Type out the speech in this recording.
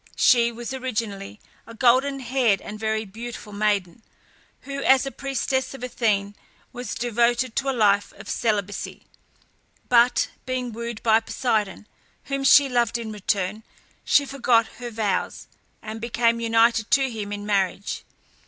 She was originally a golden haired and very beautiful maiden, who, as a priestess of Athene, was devoted to a life of celibacy; but, being wooed by Poseidon, whom she loved in return, she forgot her vows, and became united to him in marriage.